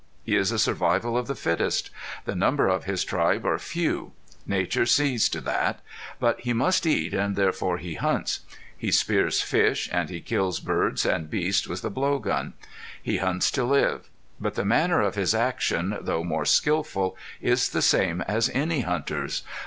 He is a survival of the fittest. The number of his tribe are few. Nature sees to that. But he must eat, and therefore he hunts. He spears fish and he kills birds and beasts with a blow gun. He hunts to live. But the manner of his action, though more skilful, is the same as any hunter's.